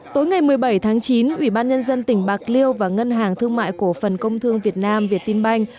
tối ngày một mươi bảy tháng chín ủy ban nhân dân tỉnh bạc liêu và ngân hàng thương mại cổ phần công thương việt nam việt tinh banh